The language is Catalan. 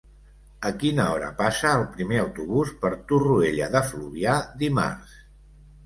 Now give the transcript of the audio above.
A quina hora passa el primer autobús per Torroella de Fluvià dimarts?